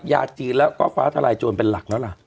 ยาจีนแล้วก็ฟ้าทลายโจรเป็นหลักแล้วล่ะ